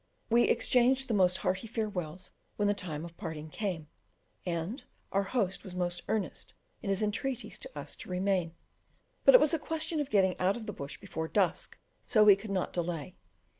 We exchanged the most hearty farewells when the time of parting came, and our host was most earnest in his entreaties to us to remain; but it was a question of getting out of the bush before dusk, so we could not delay.